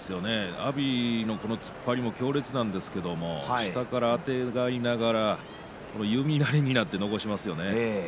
阿炎の突っ張りも強烈なんですけれど下からあてがいながら弓なりになって残しますね。